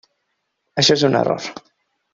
Això és un error.